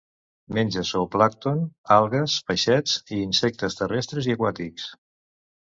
Menja zooplàncton, algues, peixets i insectes terrestres i aquàtics.